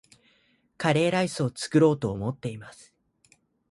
カレーライスを作ろうと思っています